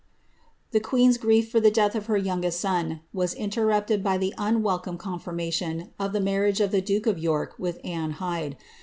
The queen's grief for the death of her youngest son was interrupted y the unwelcome confirmation of the marriage of the duke of York rith Anne Hyde.